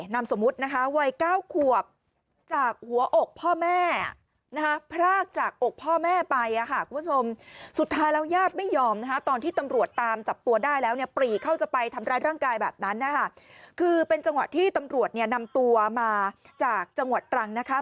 นำตัวมาจากจังหวัดตรังนะคะ